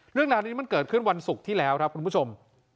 เรื่องราวนี้มันเกิดขึ้นวันศุกร์ที่แล้วครับคุณผู้ชม